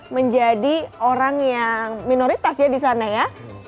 menjadi orang yang minoritas ya di sana ya